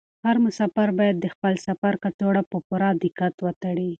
هر مسافر باید د خپل سفر کڅوړه په پوره دقت وتړي.